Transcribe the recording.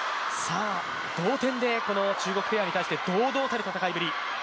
同点で、この中国ペアに対して、堂々たる戦いぶり。